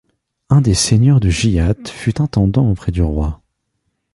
Un des seigneurs de Giat fut intendant auprès du roi.